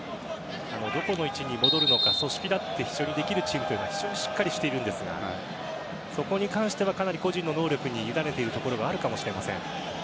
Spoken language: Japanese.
どこの位置に戻るのか組織立ってできるチームは非常にしっかりしているんですがそこに関しては個人の能力に委ねているところがあるかもしれません。